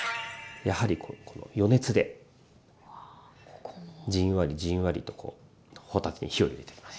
やはり余熱でじんわりじんわりとこう帆立てに火を入れていきます。